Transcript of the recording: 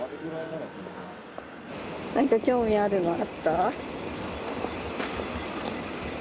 なんか興味あるのあった？